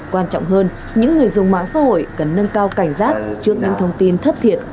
quan trọng hơn những người dùng mạng xã hội cần nâng cao cảnh giác trước những thông tin thất thiệt